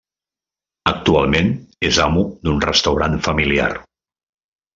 Actualment és amo d'un restaurant familiar.